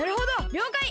りょうかい！